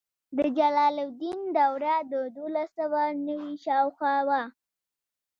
د جلال الدین دوره د دولس سوه نوي شاوخوا وه.